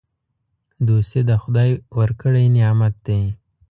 دوستي د خدای ورکړی نعمت دی.